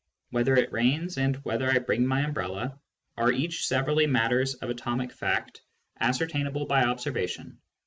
Whether it rains, and whether I bring my umbrella, are each severally matters of atomic fact, ascertainable by observation.